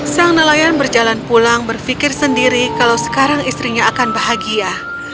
sang nelayan berjalan pulang berpikir sendiri kalau sekarang istrinya akan bahagia